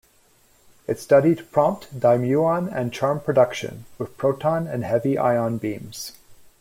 It studied "prompt dimuon and charm production with proton and heavy ion beams".